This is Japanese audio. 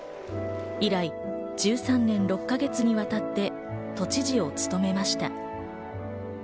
以来、１３年６か月にわたって都知事を務めました。